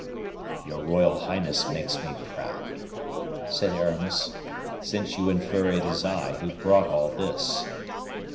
"Your royal highness makes me proud," said Aramis, "since you infer it is I who brought all this."